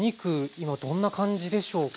今どんな感じでしょうか？